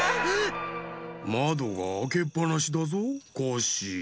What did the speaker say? まどがあけっぱなしだぞコッシー。